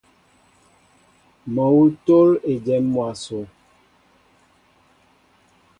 Mol awŭ tól ejém mwaso.